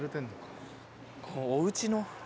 おうちの。